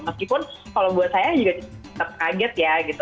meskipun kalau buat saya juga terkaget ya gitu